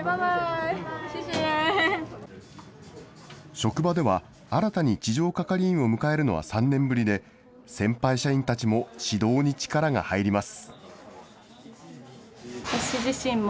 職場では、新たに地上係員を迎えるのは３年ぶりで、先輩社員たちも指導に力が入ります。